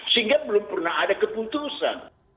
sehingga belum pernah ada keputusan